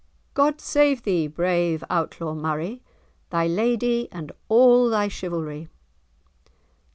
"God save thee, brave Outlaw Murray, thy lady, and all thy chivalry!"